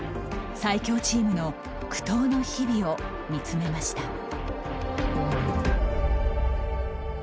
最強チームの苦闘の日々を見つめました。